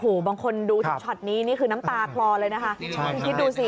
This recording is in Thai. โหบางคนดูสิคะชอตนี้นี่คือน้ำตากลอได้เลย